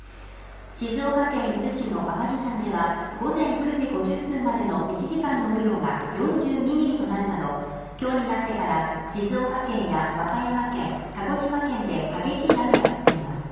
静岡県伊豆市の天城山では午前９時５０分までの１時間の雨量が４２ミリとなるなど今日になってから、静岡県や和歌山県鹿児島県で激しい雨が降っています。